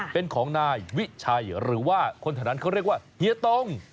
เป็นของนายวิชัยหรือว่าคนแถวนั้นเขาเรียกว่าเฮียตง